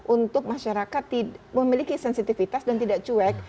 untuk masyarakat memiliki sensitivitas dan tidak cuek